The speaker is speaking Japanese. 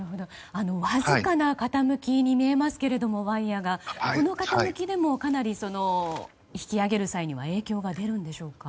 ワイヤ、わずかな傾きに見えますがこの傾きでもかなり引き揚げる際には影響が出るんでしょうか。